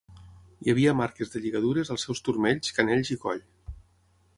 Hi havia marques de lligadures als sus turmells, canells i coll.